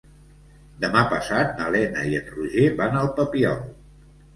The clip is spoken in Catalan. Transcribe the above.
Demà passat na Lena i en Roger van al Papiol.